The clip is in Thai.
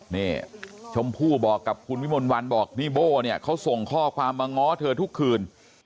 นี่ชมพู่บอกกับคุณวิมลวันบอกนี่โบ้เนี่ยเขาส่งข้อความมาง้อเธอทุกคืน